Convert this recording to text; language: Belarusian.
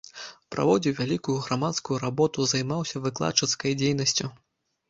Праводзіў вялікую грамадскую работу, займаўся выкладчыцкай дзейнасцю.